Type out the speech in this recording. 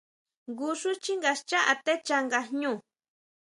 Jngu xú xchínga xchá atechá nga jñú.